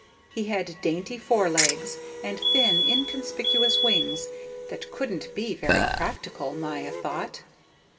He had dainty forelegs and thin, inconspicuous wings that couldn't be very practical, Maya thought.